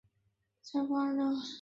莱塞帕尔热。